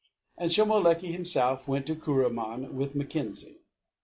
And Shomolekae himself went to Kuruman with Mackenzie.